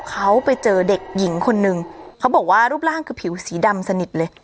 เขาไปเจอเด็กหญิงคนนึงเขาบอกว่ารูปร่างคือผิวสีดำสนิทเลย